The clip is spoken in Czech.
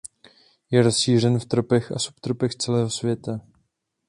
Je rozšířen v tropech a subtropech celého světa.